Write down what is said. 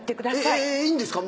いいんですか？